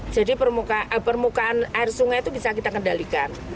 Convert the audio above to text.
jadi permukaan air sungai itu bisa kita kendalikan